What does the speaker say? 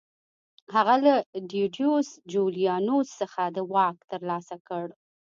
هغه له ډیډیوس جولیانوس څخه واک ترلاسه کړ